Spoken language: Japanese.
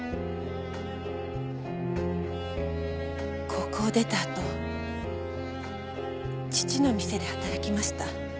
高校を出たあと父の店で働きました。